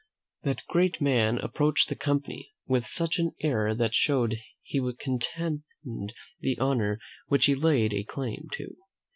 That great man approached the company with such an air that showed he contemned the honour which he laid a claim to.